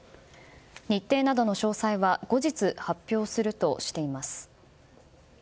日程などの詳細は後日、発表するとしています。